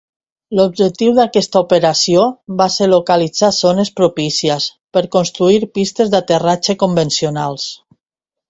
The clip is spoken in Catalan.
L'objectiu d'aquesta operació va ser localitzar zones propícies per construir pistes d'aterratge convencionals.